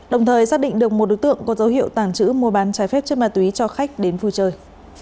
đồng thời xác định được một đối tượng có dấu hiệu tàng trữ mua bán trái phép chất ma túy cho khách đến vui chơi